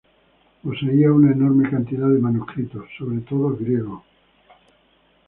Poseía una enorme cantidad de manuscritos, sobre todo griegos.